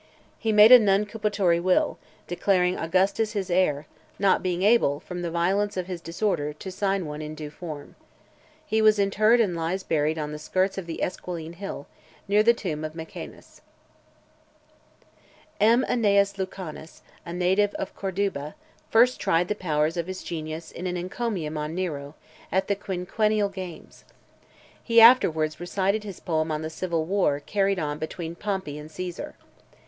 He made a nuncupatory will, declaring Augustus his heir, not being able, from the violence of his disorder, to sign one in due form. He was interred and lies buried on the skirts of the Esquiline Hill, near the tomb of Mecaenas. (544) M. ANNAEUS LUCANUS, a native of Corduba , first tried the powers of his genius in an encomium on Nero, at the Quinquennial games. He afterwards recited his poem on the Civil War carried on between Pompey and Caesar.